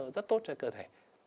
rất tốt cho cơ thể